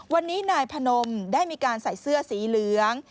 วันนี้นายพนมได้มีการใส่เสื้อสีเหลือง